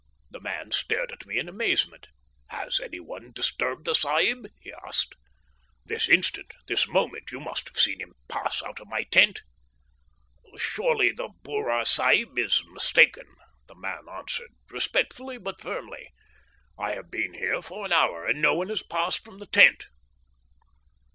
The man stared at me in amazement. "Has any one disturbed the sahib?" he asked. "This instant this moment. You must have seen him pass out of my tent." "Surely the Burra Sahib is mistaken," the man answered, respectfully but firmly. "I have been here for an hour, and no one has passed from the tent."